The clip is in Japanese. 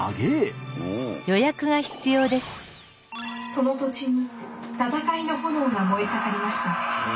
「その土地に戦いの炎が燃え盛りました。